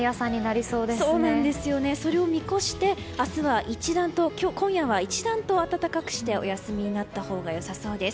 それを見越して、今夜は一段と温かくしてお休みになったほうが良さそうです。